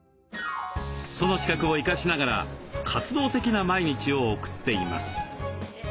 その資格を生かしながら活動的な毎日を送っています。